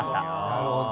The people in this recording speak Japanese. なるほど。